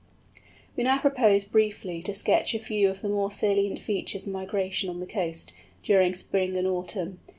We now propose briefly to sketch a few of the more salient features of migration on the coast, during spring and autumn.